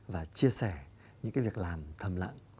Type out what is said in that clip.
và chia sẻ những việc làm thầm lặng